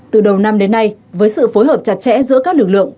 từ đầu năm đến nay với sự phối hợp chặt chẽ giữa các lực lượng